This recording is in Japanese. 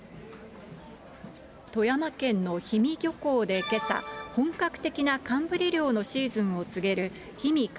富山県の氷見漁港でけさ、本格的な寒ブリ漁のシーズンを告げるひみ